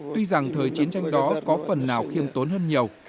tuy rằng thời chiến tranh đó có phần nào khiêm tốn hơn nhiều